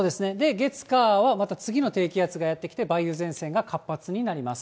月、火はまた次の低気圧がやって来て、梅雨前線が活発になります。